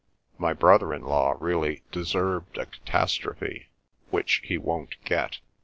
My brother in law really deserved a catastrophe—which he won't get.